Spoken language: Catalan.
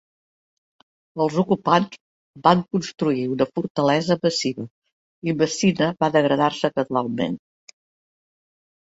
Els ocupants van construir una fortalesa massiva i Messina va degradar-se gradualment.